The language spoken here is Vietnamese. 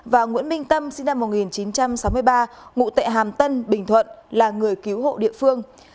và nguyễn minh tâm sinh năm một nghìn chín trăm sáu mươi ba ngụ tại hàm tân bình thuận là người cứu hộ địa phương